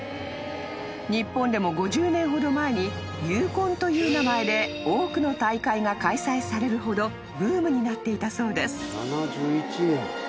［日本でも５０年ほど前にＵコンという名前で多くの大会が開催されるほどブームになっていたそうです］